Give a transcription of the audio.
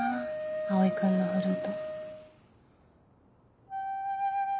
蒼君のフルート。